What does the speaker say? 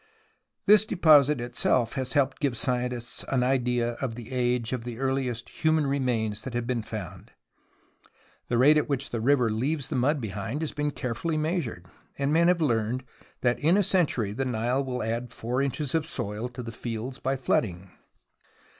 This deposit itself has helped to give scientists an idea of the age of the earliest human remains that have been found. The rate at which the river leaves the mud behind has been carefully measured, and men have learned that in a century the Nile will add 4 inches of soil to the fields by flooding.